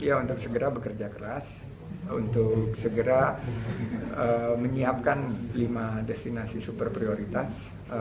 ya untuk segera bekerja keras untuk segera menyiapkan lima destinasi super prioritas